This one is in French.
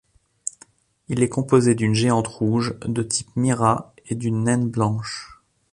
Il est composé d'une géante rouge de type Mira et d'une naine blanche.